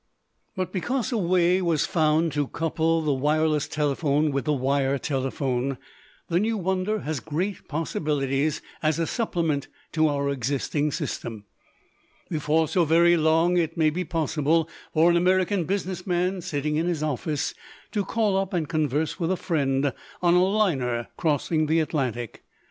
But because a way was found to couple the wireless telephone with the wire telephone, the new wonder has great possibilities as a supplement to our existing system. Before so very long it may be possible for an American business man sitting in his office to call up and converse with a friend on a liner crossing the Atlantic.